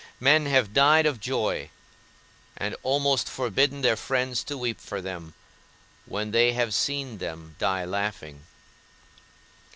Men have died of joy, and almost forbidden their friends to weep for them, when they have seen them die laughing.